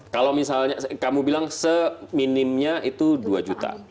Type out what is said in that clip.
kalau misalnya kamu bilang seminimnya itu dua juta